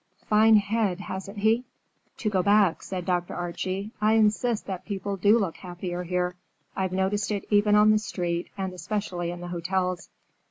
Fine head, hasn't he?" "To go back," said Dr. Archie; "I insist that people do look happier here. I've noticed it even on the street, and especially in the hotels."